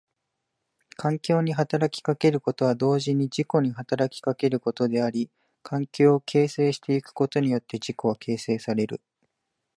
環境に働きかけることは同時に自己に働きかけることであり、環境を形成してゆくことによって自己は形成される。